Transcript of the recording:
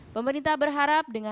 pemerintah berharap dengan